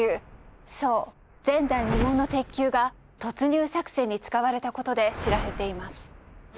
そう前代未聞の鉄球が突入作戦に使われた事で知られています。